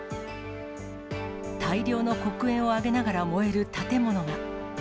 大量の黒煙を上げながら燃える建物が。